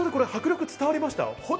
映像で迫力伝わりました？